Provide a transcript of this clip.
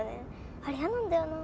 あれ嫌なんだよな。